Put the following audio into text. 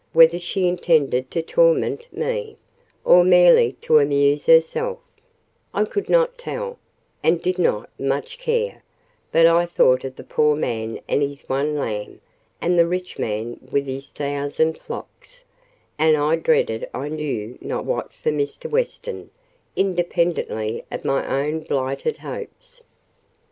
Whether she intended to torment me, or merely to amuse herself, I could not tell—and did not much care; but I thought of the poor man and his one lamb, and the rich man with his thousand flocks; and I dreaded I knew not what for Mr. Weston, independently of my own blighted hopes.